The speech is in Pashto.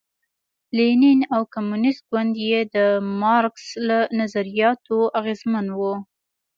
لینین او کمونېست ګوند یې د مارکس له نظریاتو اغېزمن و.